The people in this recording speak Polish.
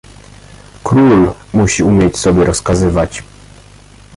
"Król musi umieć sobie rozkazywać..."